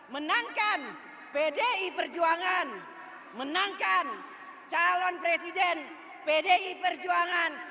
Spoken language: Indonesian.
menangkan pdi perjuangan menangkan calon presiden pdi perjuangan